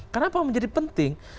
karena apa menjadi penting